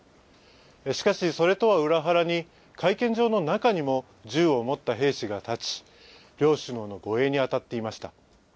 しかし、それとは裏腹に会見場の中にも銃を持った兵士が立ち、両首脳の護衛に当たっていました。